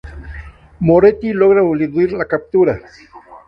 Moretti logra eludir la captura.